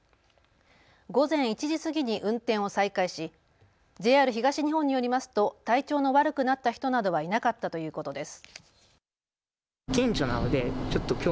午前１時過ぎに運転を再開しＪＲ東日本によりますと体調の悪くなった人などはいなかったということです。